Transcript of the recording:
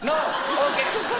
オーケー？